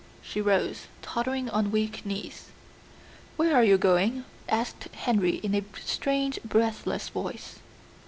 She rose, tottering on weak knees. "Where are you going?" asked Henry in a strange, breathless voice.